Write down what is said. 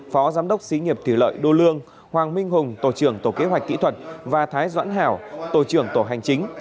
phó giám đốc xí nghiệp thủy lợi đô lương hoàng minh hùng tổ trưởng tổ kế hoạch kỹ thuật và thái doãn hảo tổ trưởng tổ hành chính